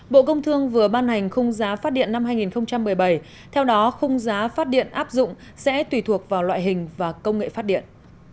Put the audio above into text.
bộ công thương vừa ban hành khung giá phát điện năm hai nghìn một mươi bảy theo đó khung giá phát điện áp dụng sẽ tùy thuộc vào loại hình và công nghệ phát điện